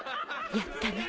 やったね。